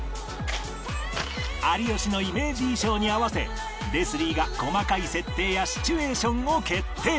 有吉のイメージ衣装に合わせレスリーが細かい設定やシチュエーションを決定！